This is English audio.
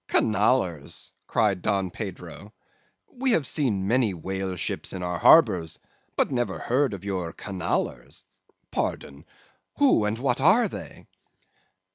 "'Canallers!' cried Don Pedro. 'We have seen many whale ships in our harbours, but never heard of your Canallers. Pardon: who and what are they?